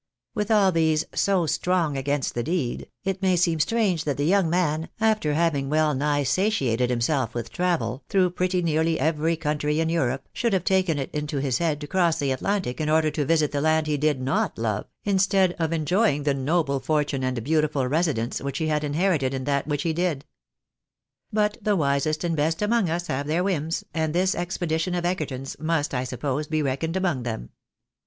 With aU these, so "strong against the deed," it may seem strange that the young man, after having weU nigh satiated him self with travel, through pretty nearly every country in Europe, should have taken it into Ms head to cross the Atlantic in order to visit the land he did not love, instead of enjoying the noble fortune and beautiful residence which he had inherited in that which he did. But the wisest and best among us have their whims, and this expedition of Egerton's must, I suppose, be reckoned among them. 60 THE BAENABYS IN AMERICA.